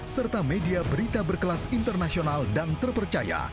serta media berita berkelas internasional dan terpercaya